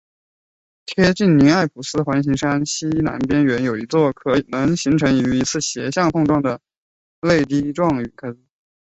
贴近尼埃普斯环形山西南边缘有一座可能形成于一次斜向撞击的泪滴状陨坑。